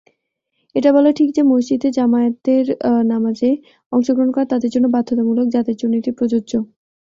এটা বলা ঠিক যে, মসজিদে জামাতের নামাজে অংশগ্রহণ করা তাদের জন্য বাধ্যতামূলক যাদের জন্য এটি প্রযোজ্য।